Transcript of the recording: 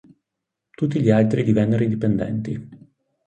Tutti gli altri divennero indipendenti.